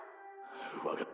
分かった。